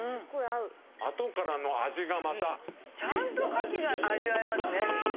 ・あとからの味がまた・ちゃんと牡蠣が味わえますね。